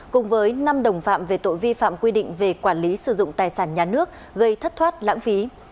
cùng với năm đồng phạm về tội vi phạm quy định về quản lý sử dụng tài sản nhà nước gây thất thoát lãng phí